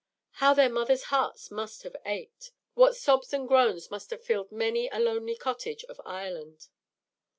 How their mothers' hearts must have ached! What sobs and groans must have filled many a lonely cottage of Ireland!